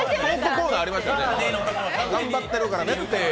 頑張ってるからねってー。